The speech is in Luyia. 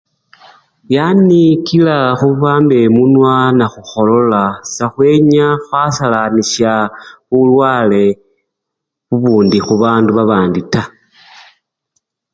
Yani kila khuwamba emunwa nakhukholola sekhwenya khwasalanisya bulwale bubundi khubandu babandi taa.